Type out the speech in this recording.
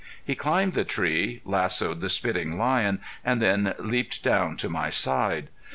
He climbed the tree, lassoed the spitting lion and then leaped down to my side.